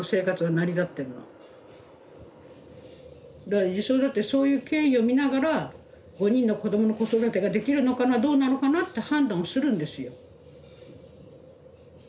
だから児相だってそういう経緯を見ながら５人の子どもの子育てができるのかなどうなのかなって判断をするんですよ。